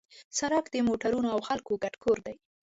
سړک د موټرونو او خلکو ګډ کور دی.